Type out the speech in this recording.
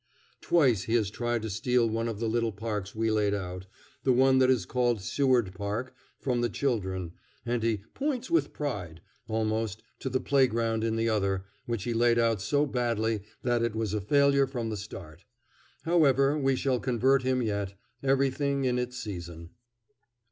Twice he has tried to steal one of the little parks we laid out, the one that is called Seward Park, from the children, and he "points with pride" almost to the playground in the other, which he laid out so badly that it was a failure from the start. However, we shall convert him yet; everything in its season.